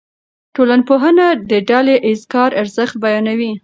ټولنپوهنه د ډله ایز کار ارزښت بیانوي.